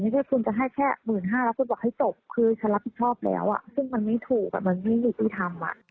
ไม่ใช่คุณจะให้แค่๑๕๐๐๐บาทรักษาให้จบคือฉันรักผิดชอบแล้วซึ่งมันไม่ถูกมันไม่มีที่ทำ